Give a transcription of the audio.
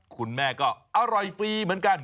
คุณแม่ก็อร่อยฟรีเหมือนกัน